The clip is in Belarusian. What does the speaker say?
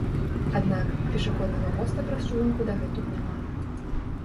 Аднак, пешаходнага моста праз чыгунку дагэтуль няма.